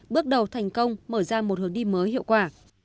bước đầu thành công mở ra một hướng đi mới hiệu quả